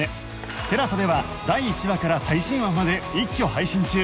ＴＥＬＡＳＡ では第１話から最新話まで一挙配信中